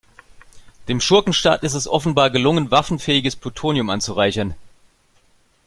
Dem Schurkenstaat ist es offenbar gelungen, waffenfähiges Plutonium anzureichern.